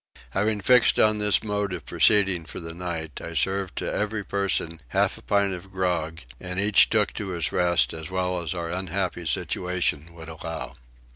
Having fixed on this mode of proceeding for the night I served to every person half a pint of grog, and each took to his rest as well as our unhappy situation would allow.